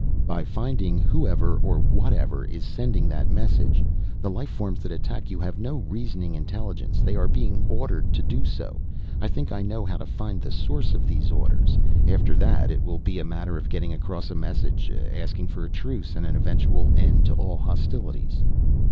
"By finding whoever or whatever is sending that message. The life forms that attack you have no reasoning intelligence. They are being ordered to do so. I think I know how to find the source of these orders. After that it will be a matter of getting across a message, asking for a truce and an eventual end to all hostilities."